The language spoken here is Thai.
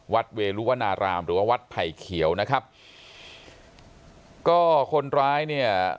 เวลุวนารามหรือว่าวัดไผ่เขียวนะครับก็คนร้ายเนี่ย